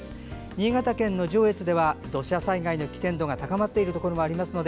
新潟県の上越では土砂災害の危険度が高まっているところがあります。